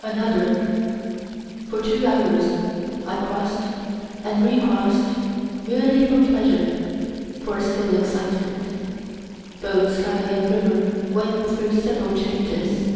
Another. For two hours I cross'd and recross'd, merely for pleasure for a still excitement. Both sky and river went through several changes.